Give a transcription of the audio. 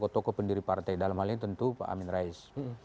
tokoh pendiri partai dalam hal ini tentu pak amin rais